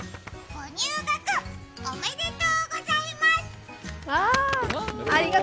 ご入学、おめでとうございます。